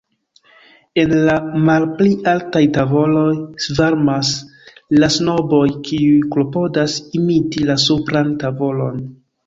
En la malpli altaj tavoloj svarmas la snoboj, kiuj klopodas imiti la supran tavolon.